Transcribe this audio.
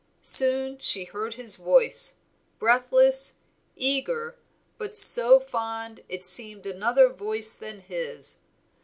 Soon she heard his voice, breathless, eager, but so fond it seemed another voice than his.